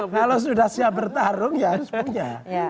kalau sudah siap bertarung ya harus punya